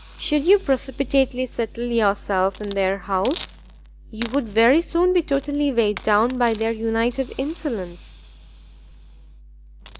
Should you precipitately settle yourself in their house, you would very soon be totally weighed down by their united insolence."